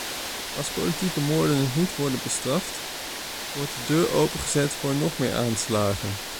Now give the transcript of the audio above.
Als politieke moorden niet worden bestraft, wordt de deur opengezet voor nog meer aanslagen.